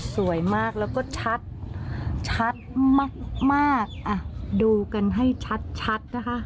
สวยมากแล้วก็ชัดชัดมากอ่ะดูกันให้ชัดนะคะ